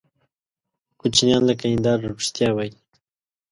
کوچنیان لکه هنداره رښتیا وایي.